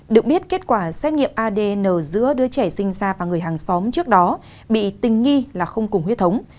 được biết kết quả xét nghiệm adn giữa đứa trẻ sinh ra và người hàng xóm trước đó bị tình nghi là không cùng huyết thống